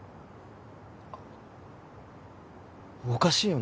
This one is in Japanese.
あおかしいよな